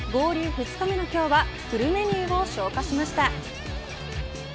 ２日目の今日はフルメニューを消化しました。